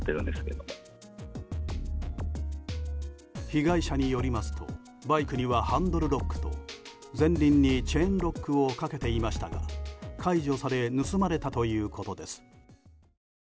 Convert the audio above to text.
被害者によりますとバイクには、ハンドルロックと前輪にチェーンロックをかけていましたが解除され盗まれたということです。